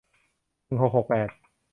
หนึ่งหกหกแปด